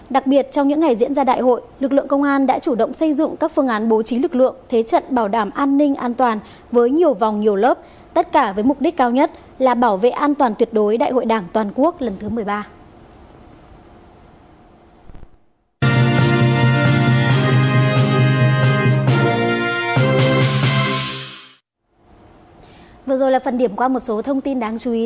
đặc biệt trong những ngày diễn ra đại hội lực lượng công an đã chủ động xây dụng các phương án bố chính lực lượng thế trận bảo đảm an ninh an toàn với nhiều vòng nhiều lớp tất cả với mục đích cao nhất là bảo vệ an toàn tuyệt đối đại hội đảng toàn quốc lần thứ một mươi ba